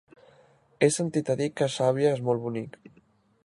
He sentit a dir que Xàbia és molt bonic.